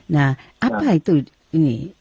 nah apa itu ini